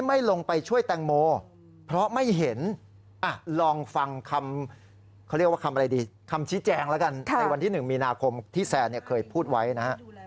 มีผู้กำกับด้วยดูแซวกัน